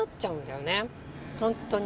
ホントに。